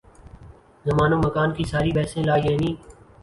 زمان و مکان کی ساری بحثیں لا یعنی۔